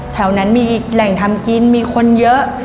แถวนั้นมีแหล่งทำกินมีคนเยอะ